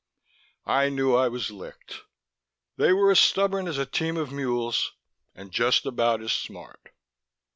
I knew I was licked. They were as stubborn as a team of mules and just about as smart.